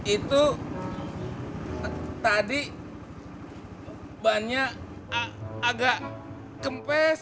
itu tadi banyak agak kempes